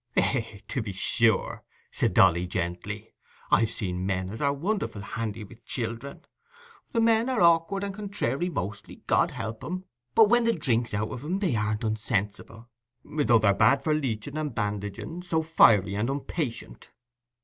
"Eh, to be sure," said Dolly, gently. "I've seen men as are wonderful handy wi' children. The men are awk'ard and contrairy mostly, God help 'em—but when the drink's out of 'em, they aren't unsensible, though they're bad for leeching and bandaging—so fiery and unpatient.